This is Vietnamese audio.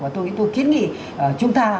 và tôi nghĩ tôi kiến nghị chúng ta